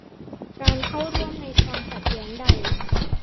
การเข้าร่วมในความขัดแย้งใด